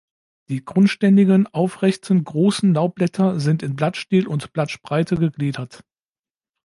Die grundständigen, aufrechten, großen Laubblätter sind in Blattstiel und Blattspreite gegliedert.